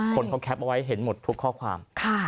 คนเขาแคปเอาไว้เห็นหมดทุกข้อความ